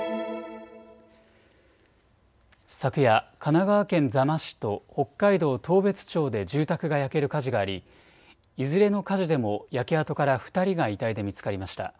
昨夜、神奈川県座間市と北海道当別町で住宅が焼ける火事がありいずれの火事でも焼け跡から２人が遺体で見つかりました。